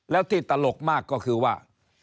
แล้วที่ตลกมากก็คือว่า